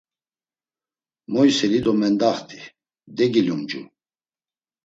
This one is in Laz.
Moyseli do mendaxti, degilumcu.